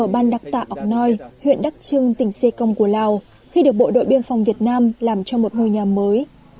ban đặc tạ ốc noi huyện đắc trưng tỉnh xê công của lào khi được bộ đội biên phòng việt nam làm cho một ngôi nhà mới